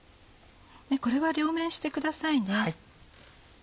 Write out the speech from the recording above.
これは両面してくださいね。